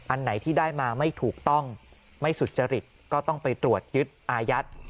อันไหนที่ได้มาไม่ถูกต้องไม่สุจริตก็ต้องไปตรวจยึดอายัด